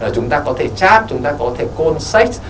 chúng ta có thể chat chúng ta có thể call sex